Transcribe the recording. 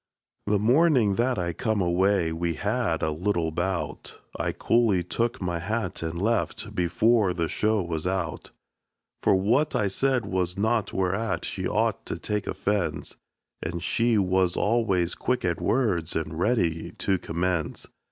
The mornin' that I come away, we had a little bout; I coolly took my hat and left, before the show was out. For what I said was naught whereat she ought to take offense; And she was always quick at words and ready to commence.